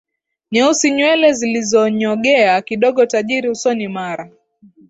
nyeusi nywele zilizonyogea kidogo tajiri usoni Mara